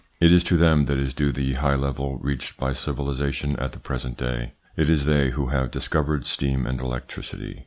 It is to them that is due the high level reached by civilisation at the present day. It is they who have discovered steam and electricity.